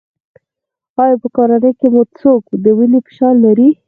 ایا په کورنۍ کې مو څوک د وینې فشار لري؟